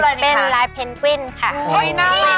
เป็นลายเพนกวินค่ะ